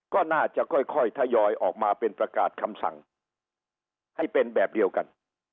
ก็น่าจะค่อยทยอยออกมาเป็นประกาศคำสั่งให้เป็นแบบเดียวกัน